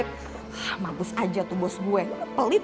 dan apaalagi waktu yang terjadi